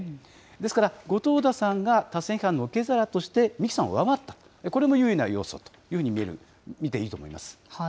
ですから、後藤田さんが多選批判の受け皿として三木さんを上回ったと、これも優位な要素と見ていいと思います。